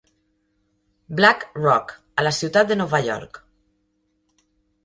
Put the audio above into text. "Black Rock", a la ciutat de Nova York.